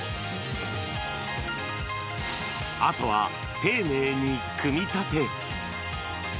あとは丁寧に組み立て。